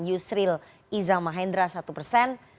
yusril iza mahendra satu persen